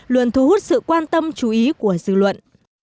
luôn thu hút sự quan tâm chú ý của dư luận